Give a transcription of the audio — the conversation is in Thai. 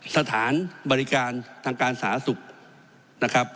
สถานบริการทางการสาธารณสุขนะครับ